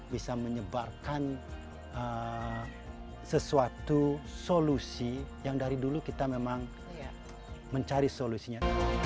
bisa menyebarkan sesuatu solusi yang dari dulu kita memang mencari solusinya